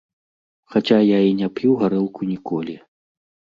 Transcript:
Хаця я і не п'ю гарэлку ніколі.